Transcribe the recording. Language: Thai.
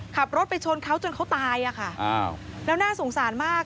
ขับรถไปชนเขาจนเขาตายอะค่ะอ้าวแล้วน่าสงสารมาก